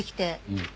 うん。